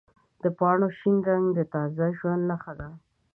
د پاڼو شین رنګ د تازه ژوند نښه ده.